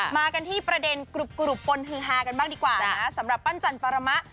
มากันที่ประเด็นกรุบปนฮือฮากันบ้างดีกว่านะสำหรับปั้นจันปรมะ